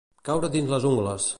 Caure dins les ungles.